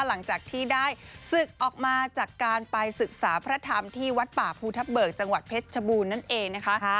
หลังจากที่ได้ศึกออกมาจากการไปศึกษาพระธรรมที่วัดป่าภูทับเบิกจังหวัดเพชรชบูรณ์นั่นเองนะคะ